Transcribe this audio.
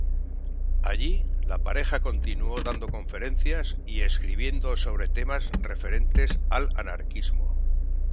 Allí, la pareja continuó dando conferencias y escribiendo sobre temas referentes al anarquismo.